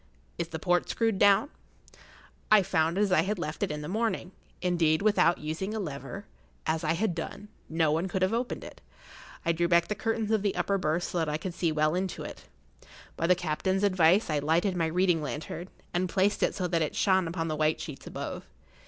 Is the port screwed down?" I found it as I had left it in the morning. Indeed, without using a lever, as I had done, no one could have opened it. I drew back the curtains of the upper berth so that I could see well into it. By the captain's advice I lighted my reading lantern, and placed it so that it shone upon the white sheets above.